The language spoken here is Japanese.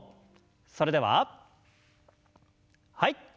それでははい。